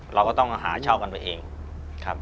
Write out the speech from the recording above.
เราก็ต้องหาเช่ากันไปเองครับ